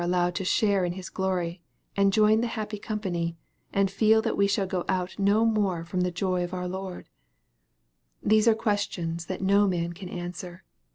177 allowed to share in His glory, and join the happy company, and feel that we shall go out no more from the joy of our Lord ? These are questions that no man can answer.